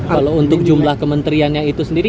kalau untuk jumlah kementeriannya itu sendiri